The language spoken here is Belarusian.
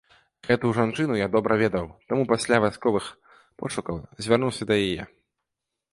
Гэту жанчыну я добра ведаў, таму пасля вясковых пошукаў звярнуўся да яе.